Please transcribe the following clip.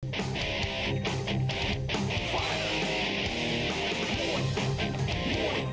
ไทยรัฐมวยไทยไฟตเตอร์